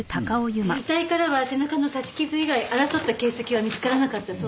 遺体からは背中の刺し傷以外争った形跡は見つからなかったそうよ。